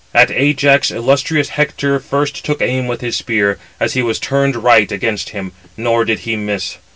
At Ajax illustrious Hector first took aim with his spear, as he was turned right against him; nor did he miss.